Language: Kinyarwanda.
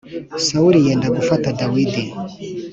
Sawuli yenda gufata Dawidi.